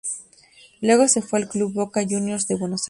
Luego se fue al club Boca Juniors de Buenos Aires.